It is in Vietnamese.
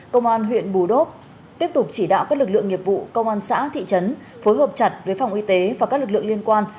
công an huyện bù đốp tiếp tục chỉ đạo các lực lượng nghiệp vụ công an xã thị trấn phối hợp chặt với phòng y tế và các lực lượng liên quan